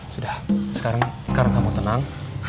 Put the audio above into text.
sudah sekarang kamu tenang